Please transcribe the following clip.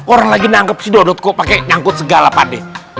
orang lagi nangkep si dodot kok pake nyangkut segala pak d